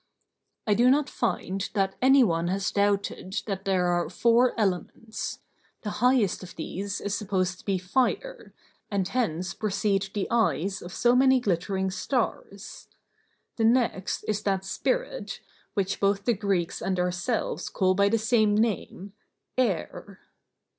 I do not find that any one has doubted that there are four elements. The highest of these is supposed to be fire, and hence proceed the eyes of so many glittering stars. The next is that spirit, which both the Greeks and ourselves call by the same name, air.